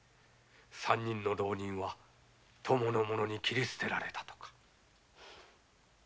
三人の浪人は供の者に斬り捨てられたとか。